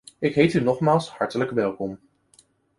Ik heet u nogmaals hartelijk welkom.